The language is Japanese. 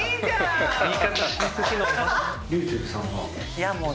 いやもう。